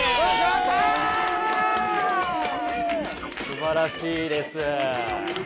すばらしいです。